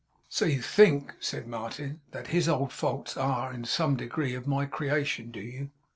'So you think,' said Martin, 'that his old faults are, in some degree, of my creation, do you?